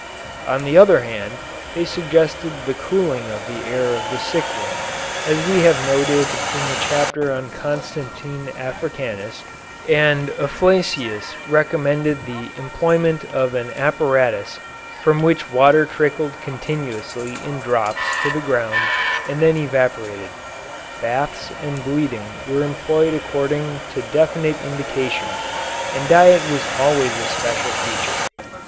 On the other hand, they suggested the cooling of the air of the sick room, as we have noted in the chapter on Constantine Africanus, and Afflacius recommended the employment of an apparatus from which water trickled continuously in drops to the ground and then evaporated. Baths and bleeding were employed according to definite indications and diet was always a special feature.